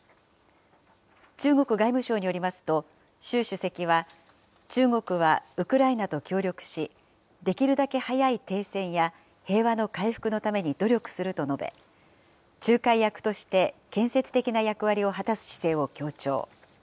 中国外務省によりますと、習主席は、中国はウクライナと協力し、できるだけ早い停戦や平和の回復のために努力すると述べ、仲介役として建設的な役割を果たす姿勢を強調。